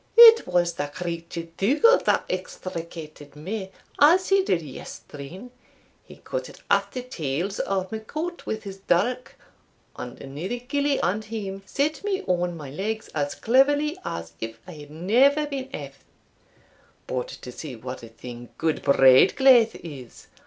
It was the creature Dougal that extricated me, as he did yestreen; he cuttit aff the tails o' my coat wi' his durk, and another gillie and him set me on my legs as cleverly as if I had never been aff them. But to see what a thing gude braid claith is!